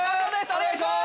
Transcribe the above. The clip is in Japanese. お願いします。